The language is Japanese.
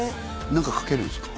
何かかけるんですか？